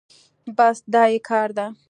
بس دا يې کار ده.